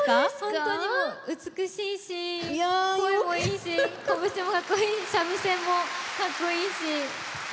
本当に美しいし、声もいいしこぶしもかっこいい三味線もかっこいいし。